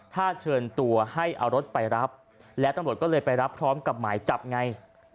ถ้าเชิญตัวให้เอารถไปรับและตำรวจก็เลยไปรับพร้อมกับหมายจับไง